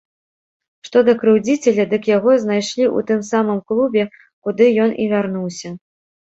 Што да крыўдзіцеля, дык яго знайшлі ў тым самым клубе, куды ён і вярнуўся.